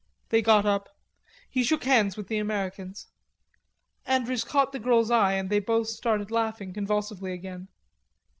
They got up. He shook hands with the Americans. Andrews caught the girl's eye and they both started laughing convulsively again.